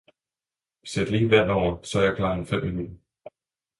Sæt lige vand over, så er jeg klar om fem minutter